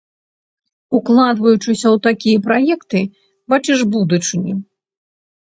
Укладваючыся ў такія праекты, бачыш будучыню.